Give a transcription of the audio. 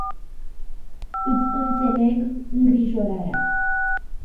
Iti inteleg ingrijorarea.